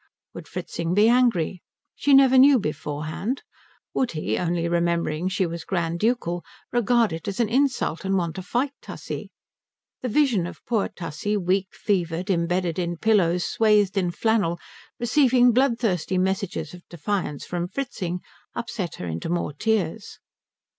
Would Fritzing be angry? She never knew beforehand. Would he, only remembering she was grand ducal, regard it as an insult and want to fight Tussie? The vision of poor Tussie, weak, fevered, embedded in pillows, swathed in flannel, receiving bloodthirsty messages of defiance from Fritzing upset her into more tears.